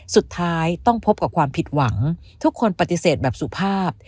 สุดท้ายต้องพบกับความผิดหวังทุกคนปฏิเสธแบบสุภาพ